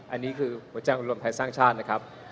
อันนี้คือหัวใจของรวมไทยสร้างชาตินะครับ